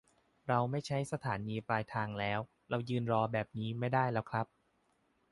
เราไม่ใช่สถานีปลายทางแล้ว เรายืนรอแบบนี้ไม่ได้แล้วครับ